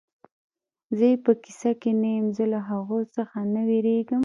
زه یې په کیسه کې نه یم، زه له هغو څخه نه وېرېږم.